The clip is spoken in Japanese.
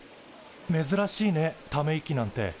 めずらしいねため息なんて。